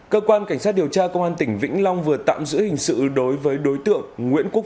cơ quan cảnh sát điều tra công an tỉnh vĩnh long vừa tạm giữ hình sự đối với đối tượng nguyễn quốc